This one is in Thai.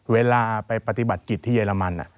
เวลาไปปฏิบัติกิจที่เยอรมัน